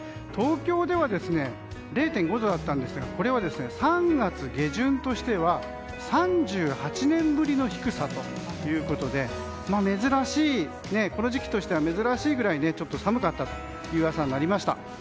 東京では０．５度だったんですがこれは３月下旬としては３８年ぶりの低さということでこの時期としては珍しいぐらいちょっと寒かったという朝になりました。